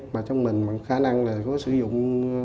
mà trong mình khả năng là có sử dụng